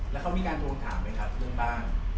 แล้วเขามีการทวงถามไหมครับเรื่องบ้าน